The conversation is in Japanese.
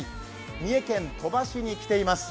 三重県鳥羽市に来ています。